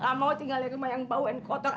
nggak mau tinggal di rumah yang bau dan kotor